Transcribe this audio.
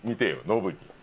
ノブに。